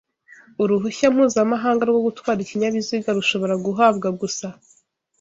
Uruhushya mpuzamahanga rwo gutwara ikinyabiziga rushobora guhabwa gusa